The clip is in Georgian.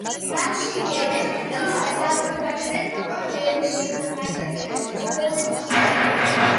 მათში გენებს ისე გადააპროგრამებენ, რომ იერიში მარტო კიბოს უჯრედებზე მიიტანონ.